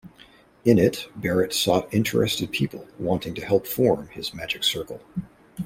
In it Barrett sought interested people wanting to help form his magic circle.